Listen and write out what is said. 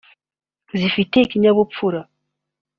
zifite ikinyabupfura